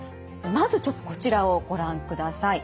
まずちょっとこちらをご覧ください。